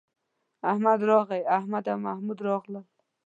احمد راغی، احمد او محمود راغلل